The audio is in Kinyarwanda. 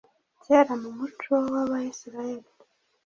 kera mu muco w'abayisraheli